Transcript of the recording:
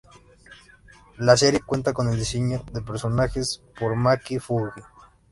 La serie cuenta con el diseño de personajes por Maki Fujii.